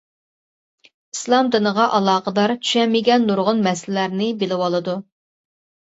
ئىسلام دىنىغا ئالاقىدار چۈشەنمىگەن نۇرغۇن مەسىلىلەرنى بىلىۋالىدۇ.